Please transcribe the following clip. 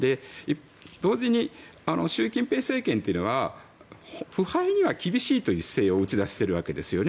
同時に、習近平政権というのは腐敗には厳しいという姿勢を打ち出してるわけですね。